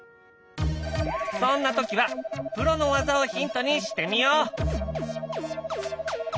そんな時はプロの技をヒントにしてみよう！